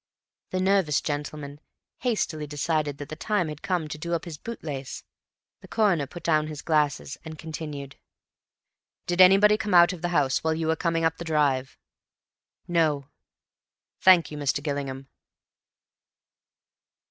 The nervous gentleman hastily decided that the time had come to do up his bootlace. The Coroner put down his glasses and continued. "Did anybody come out of the house while you were coming up the drive?" "No." "Thank you, Mr. Gillingham."